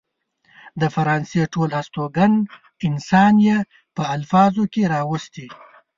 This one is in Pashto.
د فرانسې ټول هستوګن انسان يې په الفاظو کې راوستي.